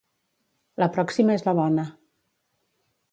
La pròxima és la bona.